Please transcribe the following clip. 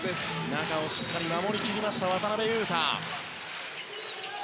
中をしっかり守り切った渡邊雄太。